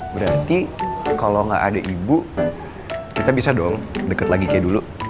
berarti kalau nggak ada ibu kita bisa dong deket lagi kayak dulu